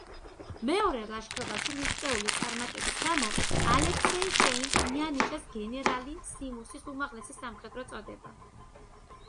მეორე ლაშქრობაში მიღწეული წარმატების გამო ალექსეი შეინს მიანიჭეს გენერალისიმუსის უმაღლესი სამხედრო წოდება.